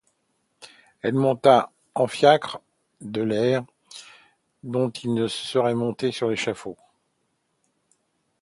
Il monta en fiacre, de l’air dont il serait monté sur l’échafaud.